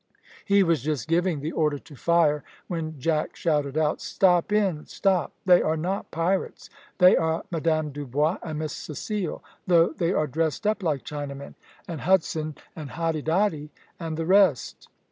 He was just giving the order to fire, when Jack shouted out, "Stop in, stop! They are not pirates. They are Madame Dubois and Miss Cecile, though they are dressed up like Chinamen; and Hudson and Hoddidoddi, and the rest."